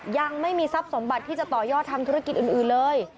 ยังไม่มีทรัพย์สมบัติที่จะต่อยอดทำธุรกิจอื่นเลย